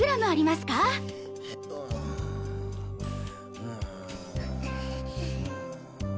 うん。